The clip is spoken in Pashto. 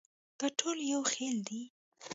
دا ټول یو خېل دي.